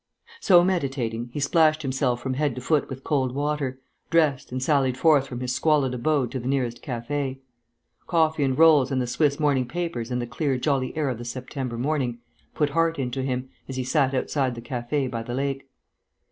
So meditating, he splashed himself from head to foot with cold water, dressed, and sallied forth from his squalid abode to the nearest café. Coffee and rolls and the Swiss morning papers and the clear jolly air of the September morning put heart into him, as he sat outside the café by the lake.